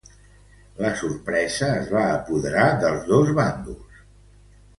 La sorpresa es va apoderar dels dos bàndols.